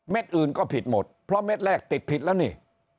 อื่นก็ผิดหมดเพราะเม็ดแรกติดผิดแล้วนี่